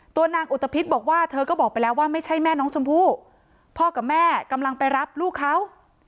นางอุตภิษบอกว่าเธอก็บอกไปแล้วว่าไม่ใช่แม่น้องชมพู่พ่อกับแม่กำลังไปรับลูกเขา